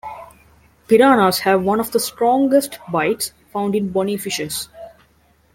Piranhas have one of the strongest bites found in bony fishes.